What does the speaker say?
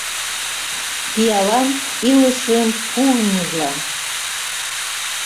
Пиалан илышым пуымыжлан!..